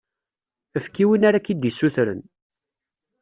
Efk i win ara k-d-issutren.